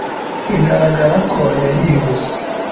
bigaragara ko yarihuse